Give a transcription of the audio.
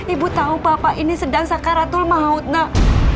ibu tahu papa ini sedang sakaratul maut nak